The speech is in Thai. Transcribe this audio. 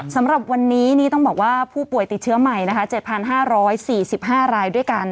สำหรับวันนี้ต้องบอกว่าผู้ป่วยติดเชื้อใหม่นะคะ๗๕๔๕รายด้วยกัน